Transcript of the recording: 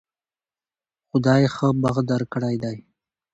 خدای ښه بخت درکړی دی